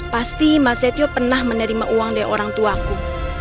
pasti mas setio pernah menerima uang dari orangtuaku